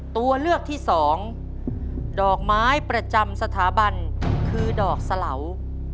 ตัวเลือกที่สองดอกไม้ประจำสถาบันคือดอกสะเหลา